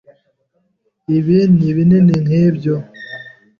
Ibi ni binini nkibyo.